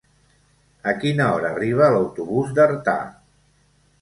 A quina hora arriba l'autobús d'Artà?